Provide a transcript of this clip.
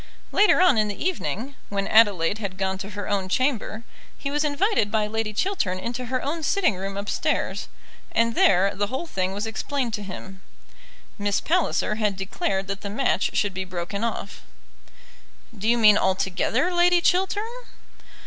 Later on in the evening, when Adelaide had gone to her own chamber, he was invited by Lady Chiltern into her own sitting room upstairs, and there the whole thing was explained to him. Miss Palliser had declared that the match should be broken off. "Do you mean altogether, Lady Chiltern?"